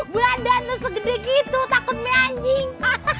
badan lu segede gitu takut me anjing